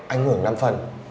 anh nguyễn năm phần